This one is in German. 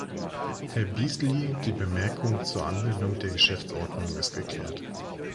Herr Beazley, die Bemerkung zur Anwendung der Geschäftsordnung ist geklärt.